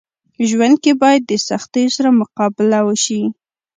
ژوند کي باید د سختيو سره مقابله وسي.